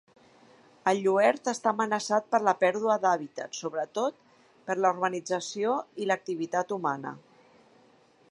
El lluert està amenaçat per la pèrdua d'hàbitat, sobretot per la urbanització i l'activitat humana.